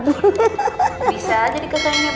bisa jadi kakak yang hebat